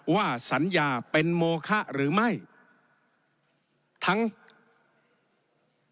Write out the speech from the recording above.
ว่าสัญญาเป็นโมค่ะหรือไม่นะครับ